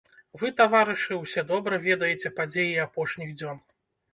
Вы, таварышы, усе добра ведаеце падзеі апошніх дзён.